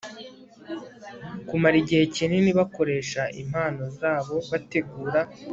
kumara igihe kinini bakoresha impano zabo bategura